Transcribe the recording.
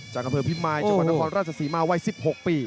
จากกระเภอพิมมาลจังหวัดนครราชศรีมาววัย๑๖ปี